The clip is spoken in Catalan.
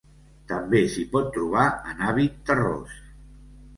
També s'hi pot trobar en hàbit terrós.